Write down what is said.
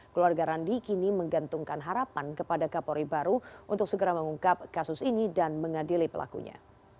keluarga randi kini menggantungkan harapan kepada kapolri baru untuk segera mengungkap kasus ini dan mengadili pelakunya